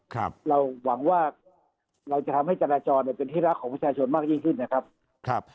ครับเราหวังว่าเราจะทำให้จราจรเนี้ยเป็นที่รักของประชาชนมากยิ่งขึ้นนะครับครับ